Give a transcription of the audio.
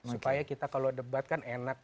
supaya kita kalau debat kan enak